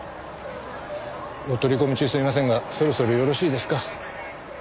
お取り込み中すみませんがそろそろよろしいですか？